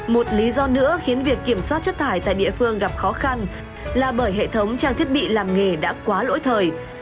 một lý do nữa khiến việc kiểm soát chất thải tại địa phương gặp khó khăn là bởi hệ thống trang thiết bị làm nghề đã quá lỗi thời